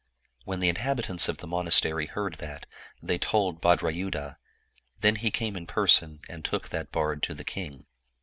When the inhabitants of the monastery heard that, they told Bhadrayudha; then he came in person, and took that bard to the king.